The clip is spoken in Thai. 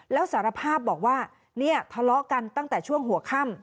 แล้วสารภาพบอกว่าเนี่ยทะเลาะกันตั้งแต่ช่วงหัวค่ำ